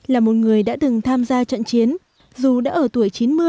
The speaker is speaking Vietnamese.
là một người đã từng tham gia trận chiến dù đã ở tuổi chín mươi